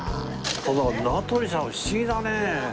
名取さん不思議だね。